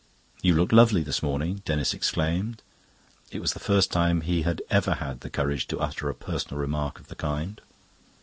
"You look lovely this morning," Denis exclaimed. It was the first time he had ever had the courage to utter a personal remark of the kind.